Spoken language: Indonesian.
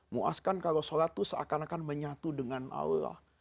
muaskan kalau sholat itu seakan akan menyatu dengan allah